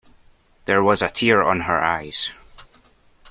There was a tear on her eyes.